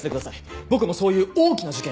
僕もそういう大きな事件を。